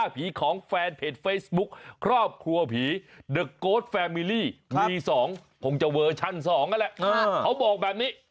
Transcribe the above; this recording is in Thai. เห็นเมื่อกี้เนี่ยต้องลืมเชือกว่าเมื่อกี้แล้วไม่ต้องลืมจับเนี่ย